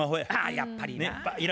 やっぱりな。